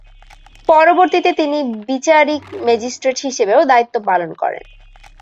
পরবর্তীতে তিনি বিচারিক ম্যাজিস্ট্রেট হিসেবেও দায়িত্ব পালন করেন।